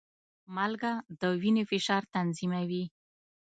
مالګه د وینې فشار تنظیموي.